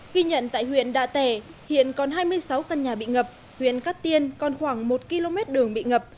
ghi nhận tại huyện đạ tẻ hiện còn hai mươi sáu căn nhà bị ngập huyện cát tiên còn khoảng một km đường bị ngập